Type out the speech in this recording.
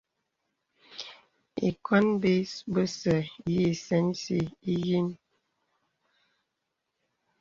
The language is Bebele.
Ìkwan bes bə̀sɛ̀ yì sɛnsi ìyìŋ.